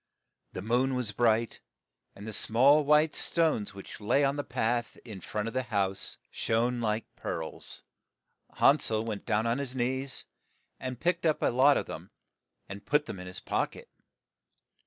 The moon was bright, and the small white stones which lay on the path in front of the house shone like pearls. Han sel went down on his knees, and picked up a lot of them, and put them in his pock et.